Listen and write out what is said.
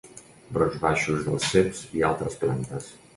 Brots baixos dels ceps i altres plantes.